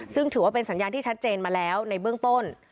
ซึ่งถือว่าเป็นสัญญาณที่ชัดเจนมาแล้วในเบื้องต้น